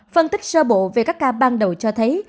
phân tích sơ bộ về các ca ban đầu cho thấy